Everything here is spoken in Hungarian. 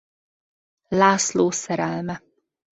László szerelme.